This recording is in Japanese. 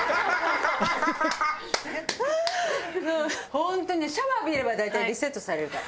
本当にねシャワー浴びれば大体リセットされるから。